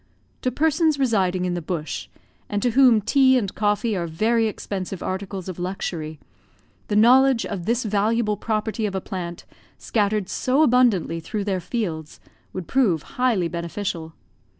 To persons residing in the bush, and to whom tea and coffee are very expensive articles of luxury, the knowledge of this valuable property of a plant scattered so abundantly through their fields, would prove highly beneficial.